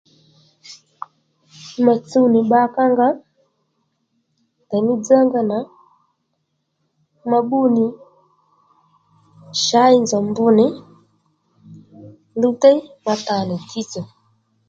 Ma tsuw nì bba kǎ nga ndèymí dzá nga nà ma bbú nì shǎyi nzòw mb nì luwtéy ma ta nì dzíy-tsò